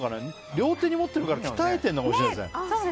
両手に持ってるから鍛えてるのかもしれないですね。